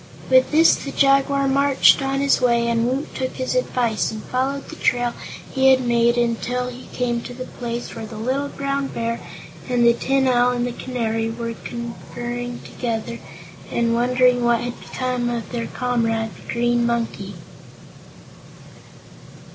With this the Jaguar marched on his way and Woot took his advice and followed the trail he had made until he came to the place where the little Brown Bear, and the Tin Owl, and the Canary were conferring together and wondering what had become of their comrade, the Green Monkey.